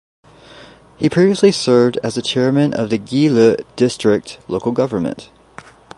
He previously served as the Chairman of the Gulu District Local Government.